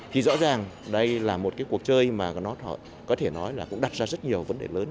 thì rõ ràng đây là một cái cuộc chơi mà nó có thể nói là cũng đặt ra rất nhiều vấn đề lớn